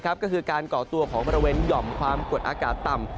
ก็คือการก่อตัวของบริเวณหย่อมความกดอากาศต่ำ